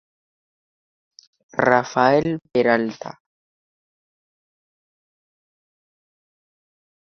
Rafael Peralta